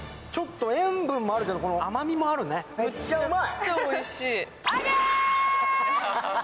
塩分もあるけど甘みもあるね、むっちゃうまい！